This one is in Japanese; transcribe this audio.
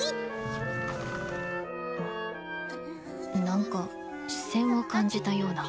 何か視線を感じたような。